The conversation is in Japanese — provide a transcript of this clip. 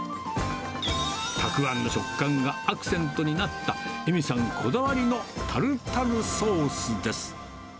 タクアンの食感がアクセントになった、恵美さんこだわりのタルタルソースです。